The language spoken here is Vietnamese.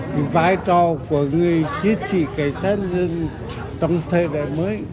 và là vai trò của người chiến sĩ cảnh sát nhân dân trong thời đại mới